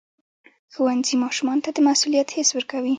ښوونځی ماشومانو ته د مسؤلیت حس ورکوي.